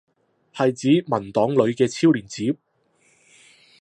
係指文檔裏嘅超連接？